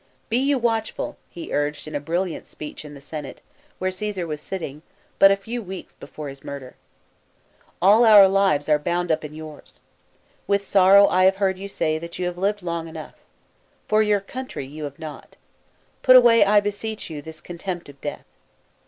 " Be you watchful/' he urged in a brilliant speech in the Senate, where Csesar was sitting, but a few weeks before his murder. " All our lives are bound up in yours. With sorrow I have heard you say that you have lived long enough. For your coun try, you have not. Put away, I beseech you, this contempt of death.